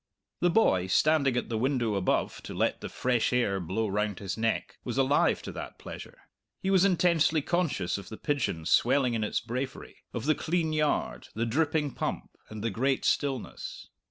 The boy, standing at the window above to let the fresh air blow round his neck, was alive to that pleasure; he was intensely conscious of the pigeon swelling in its bravery, of the clean yard, the dripping pump, and the great stillness.